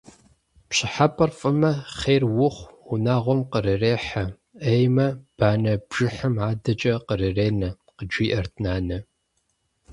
«Пщӏыхьэпӏэр фӀымэ, хъер ухъу, унагъуэм кърырехьэ, Ӏеймэ, банэ бжыхьым адэкӀэ кърыренэ», – къыджиӀэрт нанэ.